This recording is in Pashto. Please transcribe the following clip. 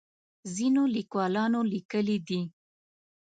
ځینو لیکوالانو لیکلي دي.